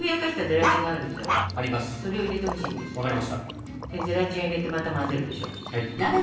ゼラチンを入れてまた混ぜるでしょ。